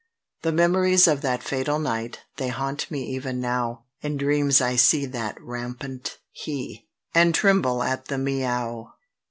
The memories of that fatal night they haunt me even now: In dreams I see that rampant He, and tremble at that Miaow.